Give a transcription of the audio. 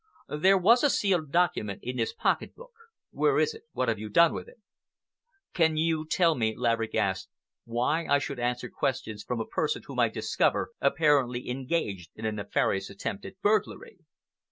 There was a sealed document in this pocket book. Where is it? What have you done with it?" "Can you tell me," Laverick asked, "why I should answer questions from a person whom I discover apparently engaged in a nefarious attempt at burglary?"